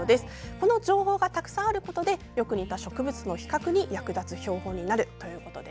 この情報がたくさんあるのでよく似た植物との比較に役立つ標本になるということです。